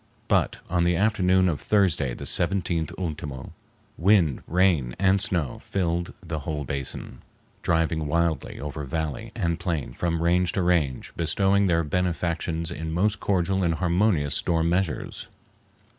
But on the afternoon of Thursday, the 17th ultimo, wind, rain, and snow filled the whole basin, driving wildly over valley and plain from range to range, bestowing their benefactions in most cordial and harmonious storm measures.